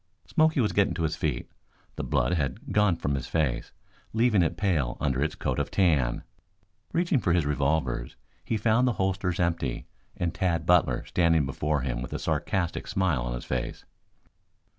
Smoky was getting to his feet. The blood had gone from his face, leaving it pale under its coat of tan. Reaching for his revolvers he found the holsters empty and Tad Butler standing before him with a sarcastic smile on his face.